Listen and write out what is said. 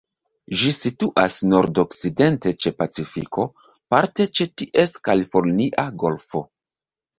Ĝi situas nordokcidente ĉe Pacifiko, parte ĉe ties Kalifornia Golfo.